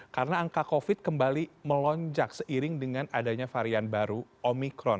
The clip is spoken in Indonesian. karena angka covid kembali melonjak seiring dengan adanya varian baru omikron